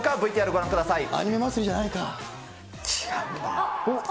ＶＴＲご覧ください。